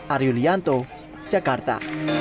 aryul yanto jakarta